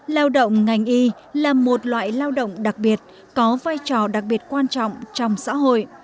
lao động ngành y là một loại lao động đặc biệt có vai trò đặc biệt quan trọng trong xã hội